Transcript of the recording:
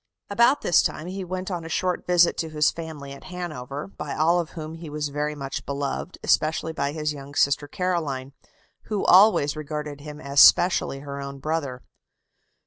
About this time he went on a short visit to his family at Hanover, by all of whom he was very much beloved, especially by his young sister Caroline, who always regarded him as specially her own brother.